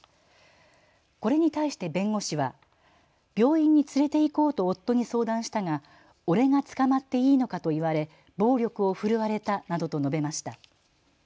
これに対して弁護士は病院に連れて行こうと夫に相談したが俺が捕まっていいのかと言われ暴力を振るわれたなどと述べました。